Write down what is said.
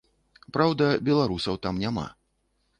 Праўда, беларусаў там няма.